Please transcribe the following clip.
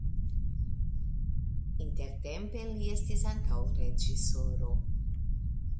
Intertempe li estis ankaŭ reĝisoro.